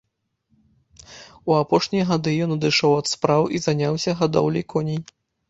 У апошнія гады ён адышоў ад спраў і заняўся гадоўляй коней.